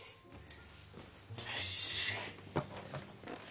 よし。